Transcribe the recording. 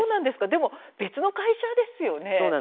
でも別の会社ですよね。